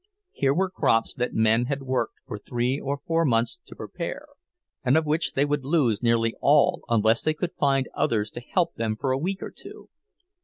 Here were crops that men had worked for three or four months to prepare, and of which they would lose nearly all unless they could find others to help them for a week or two.